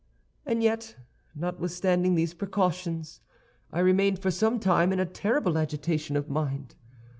"And yet, notwithstanding these precautions, I remained for some time in a terrible agitation of mind.